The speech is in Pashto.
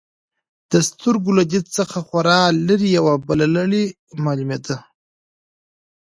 د سترګو له دید څخه خورا لرې، یوه بله لړۍ معلومېده.